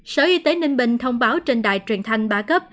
sở y tế ninh bình thông báo trên đài truyền thanh ba cấp